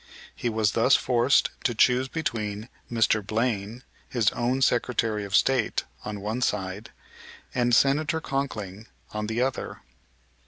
He was thus forced to choose between Mr. Blaine, his own Secretary of State, on one side, and Senator Conkling on the other.